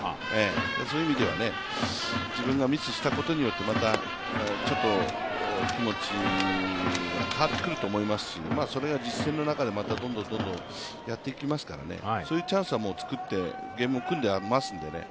そういう意味では、自分がミスしたことによって、またちょっと気持ちが変わってくると思いますし実戦の中でどんどんやっていきますから、そういうチャンスはつくってゲーム、組んでありますのでね